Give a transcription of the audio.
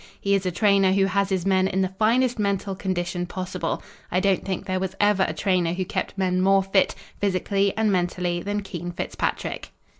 He is a trainer who has his men in the finest mental condition possible. I don't think there was ever a trainer who kept men more fit, physically and mentally, than Keene Fitzpatrick."